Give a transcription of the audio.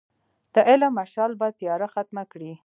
د علم مشعل به تیاره ختمه کړي.